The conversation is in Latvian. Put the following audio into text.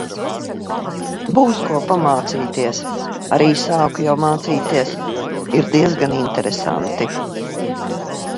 Būs ko pamācīties. Arī sāku jau mācīties. Ir diez gan interesanti.